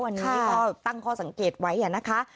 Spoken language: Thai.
อันนี้เขาตั้งคอสังเกตไว้นะคะ